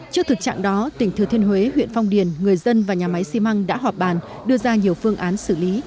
trước thực trạng đó tỉnh thừa thiên huế huyện phong điền người dân và nhà máy xi măng đã họp bàn đưa ra nhiều phương án xử lý